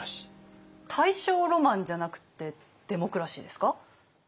大正ロマンじゃなくってデモクラシーですか？